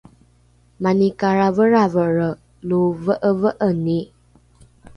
mani karaveravere lo ve’eve’eni